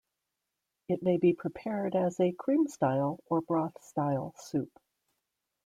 It may be prepared as a cream-style or broth-style soup.